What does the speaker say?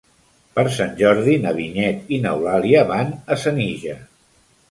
Per Sant Jordi na Vinyet i n'Eulàlia van a Senija.